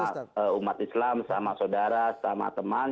tapi sama umat islam sama saudara sama teman